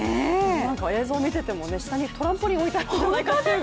映像見てても、下にトランポリン置いてあるんじゃないかなと。